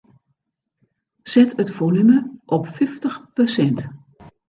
Set it folume op fyftich persint.